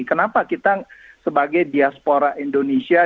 kenapa kita sebagai diaspora indonesia